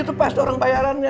itu pas tuh orang bayarannya